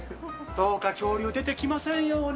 どうか恐竜、出てきませんように。